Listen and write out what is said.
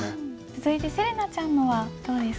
続いてせれなちゃんのはどうですか？